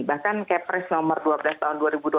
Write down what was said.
bahkan kepres nomor dua belas tahun dua ribu dua puluh